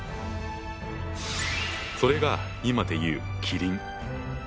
それが今で言うキリン。